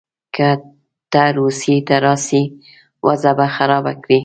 که ته روسیې ته راسې وضع به خرابه کړې.